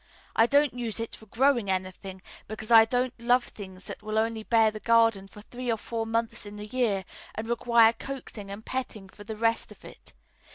I don't use it for growing anything, because I don't love things that will only bear the garden for three or four months in the year and require coaxing and petting for the rest of it.